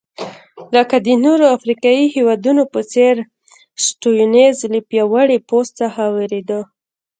لکه د نورو افریقایي هېوادونو په څېر سټیونز له پیاوړي پوځ څخه وېرېده.